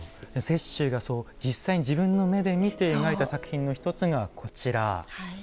雪舟が実際に自分の目で見て描いた作品の一つがこちら。